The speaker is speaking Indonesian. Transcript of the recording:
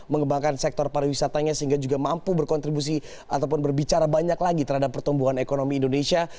mengembangkan sektor pariwisatanya sehingga juga mampu berkontribusi ataupun berbicara banyak lagi terhadap pertumbuhan ekonomi indonesia